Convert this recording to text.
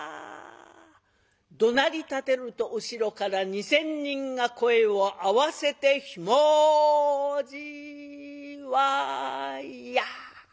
どなりたてると後ろから２，０００人が声を合わせて「ひもじいわいや！」。